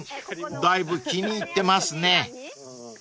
だいぶ気に入ってますね］